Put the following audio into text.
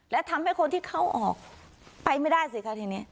และทำให้คนที่เข้าออกไปไม่ได้สิคะทีนี้